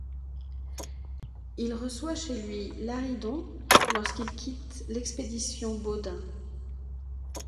Il reçoit chez lui L'Haridon lorsqu'il quitte l'expédition Baudin.